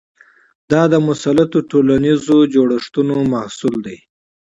دا د مسلطو ټولنیزو جوړښتونو محصول دی.